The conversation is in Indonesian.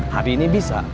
hari ini bisa